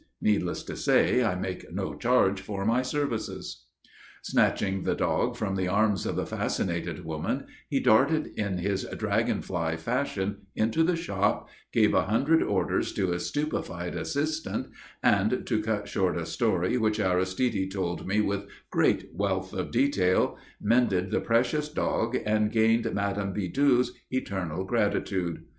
Needless to say, I make no charge for my services." Snatching the dog from the arms of the fascinated woman, he darted in his dragon fly fashion into the shop, gave a hundred orders to a stupefied assistant, and to cut short a story which Aristide told me with great wealth of detail mended the precious dog and gained Madame Bidoux's eternal gratitude.